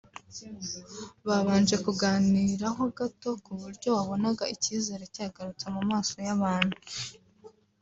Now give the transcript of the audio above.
Babanje kuganiraho gato ku buryo wabonaga icyizere cyagarutse mu maso y'abantu